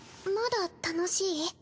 まだ楽しい？